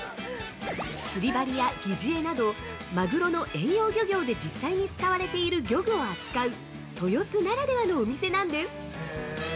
釣針や擬似餌など、マグロの遠洋漁業で実際に使われている漁具を扱う、豊洲ならではのお店なんです。